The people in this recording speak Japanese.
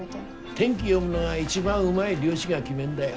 天気読むのが一番うまい漁師が決めんだよ。